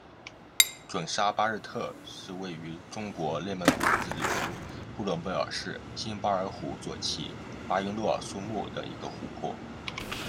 准沙巴日特是位于中国内蒙古自治区呼伦贝尔市新巴尔虎左旗巴音诺尔苏木的一个湖泊。